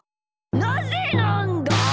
なぜなんだ！？